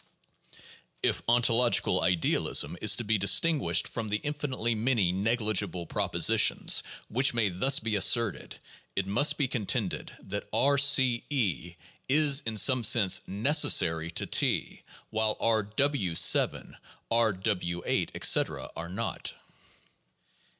If ontological idealism is to be distinguished from the infinitely many negligible propositions which may thus be asserted, it must be contended that R C (E), is in some sense necessary to T, while R w {7), R w {8), etc., are not.